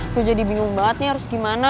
tuh jadi bingung banget nih harus gimana